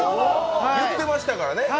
言ってましたからね